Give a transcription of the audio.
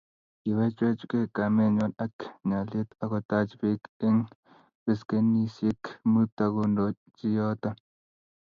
Kiwechwechkei kamenywa ak nyalylet akotach Bek eng beskenisiek mut akondochi yoto